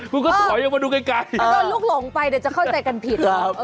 คุณก็ถอยออกมาดูไกลถ้าโดนลูกหลงไปเดี๋ยวจะเข้าใจกันผิด